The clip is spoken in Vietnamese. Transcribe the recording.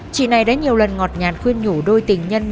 chị này đã nhiều lần ngọt nhàn khuyên nhủ đôi tình nhân